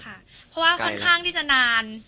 เพราะว่าค่อนข้างที่จะนาน